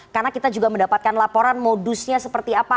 karena kita juga mendapatkan laporan modusnya seperti apa